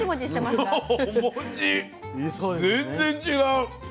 全然違う。